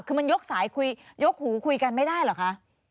คือมันยกสายคุยยกหูคุยกันไม่ได้เหรอคะ